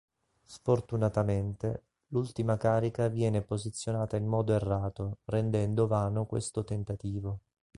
Sfortunatamente, l'ultima carica viene posizionata in modo errato rendendo vano questo tentativo.